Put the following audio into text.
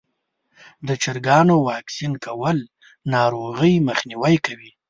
د چرګانو واکسین کول ناروغۍ مخنیوی کوي.